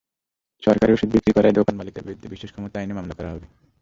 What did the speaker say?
সরকারি ওষুধ বিক্রি করায় দোকানমালিকের বিরুদ্ধে বিশেষ ক্ষমতা আইনে মামলা করা হবে।